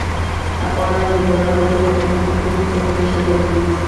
افغان انځورګرانو په بیلابیلو سبکونو کې خپل هنر ښودلی ده